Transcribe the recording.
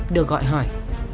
được gọi hỏi